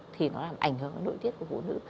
thì nó làm ảnh hưởng đến nội tiết của phụ nữ